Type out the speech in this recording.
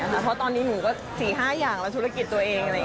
เพราะตอนนี้หนูก็๔๕อย่างและธุรกิจตัวเอง